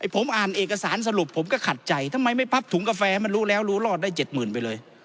ผมอ่านเอกสารสรุปผมก็ขัดใจทำไมไม่พับถุงกาแฟมันรู้แล้วรู้รอดได้๗๐๐ไปเลย